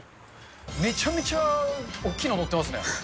めちゃめちゃ大きいの載ってますね。